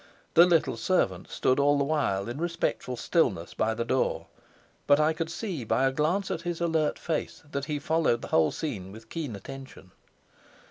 The little servant stood all the while in respectful stillness by the door; but I could see by a glance at his alert face that he followed the whole scene with keen attention.